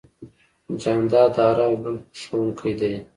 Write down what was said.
جانداد د ارام ژوند خوښوونکی دی.